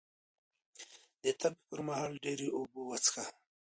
د تبې پر مهال ډېرې اوبه وڅښه